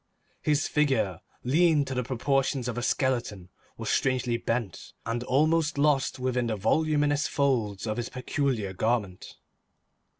His figure, lean to the proportions of a skeleton, was strangely bent and almost lost within the voluminous folds of his peculiar garment.